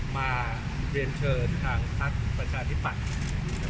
มาเบียนเชิญทางทัศน์ประชาธิปัติ